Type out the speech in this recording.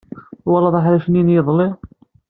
Twalaḍ aḥric-nni n yiḍelli?